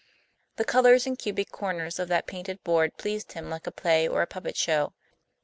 The colors and cubic corners of that painted board pleased him like a play or a puppet show.